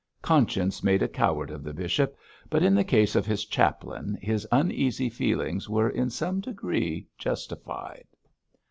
Conscience made a coward of the bishop, but in the case of his chaplain his uneasy feelings were in some degree justified.